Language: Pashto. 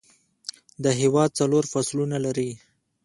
دا هیواد څلور فصلونه لري